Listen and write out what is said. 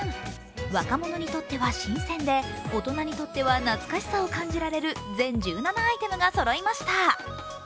若者にとっては新鮮で、大人にとっては懐かしさを感じられる全１７アイテムがそろいました。